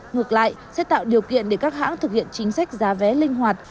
ngược lại sẽ tạo điều kiện để các hãng thực hiện chính sách giá vé linh hoạt